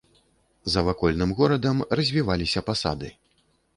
За вакольным горадам развіваліся пасады.